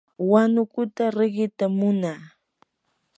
huanukuta riqitam munaa.